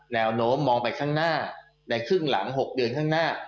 แนวโน้มมองไปข้างหน้าในครึ่งหลัง๖เดือนข้างหน้า